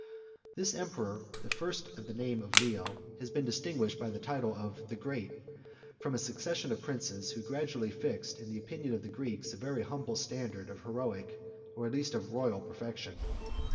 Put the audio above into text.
68 This emperor, the first of the name of Leo, has been distinguished by the title of the Great; from a succession of princes, who gradually fixed in the opinion of the Greeks a very humble standard of heroic, or at least of royal, perfection.